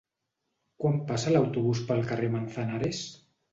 Quan passa l'autobús pel carrer Manzanares?